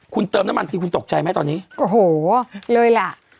คุณเติมน้ำมันทีคุณตกใจไหมตอนนี้โอ้โหเลยล่ะ